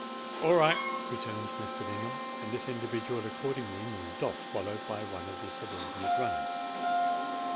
"All right," returned Mr. Bingham; and this individual accordingly moved off, followed by one of the subordinate runners.